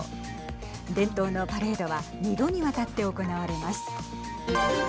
伝統のパレードは２度にわたって行われます。